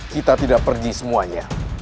kita tidak pergi semuanya